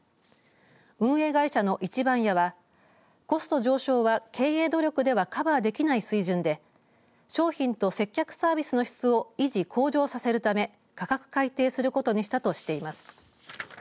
運営会社の壱番屋はコスト上昇は経営努力ではカバーできない水準で商品と接客サービスの質を維持、向上させるため価格改定することにしたとしています。